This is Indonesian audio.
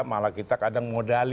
malah kita kadang modalin